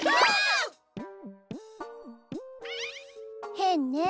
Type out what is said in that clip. へんね